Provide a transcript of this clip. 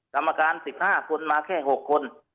กรรมการ๑๕คนมาแค่๖คน